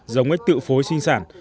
giống ếch tự phối sinh sản